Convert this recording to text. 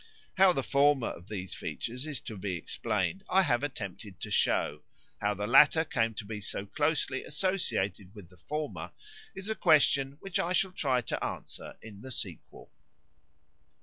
How the former of these features is to be explained I have attempted to show: how the latter came to be so closely associated with the former is a question which I shall try to answer in the sequel.